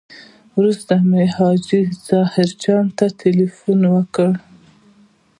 وروسته مو حاجي ظاهر جان ته تیلفون وکړ.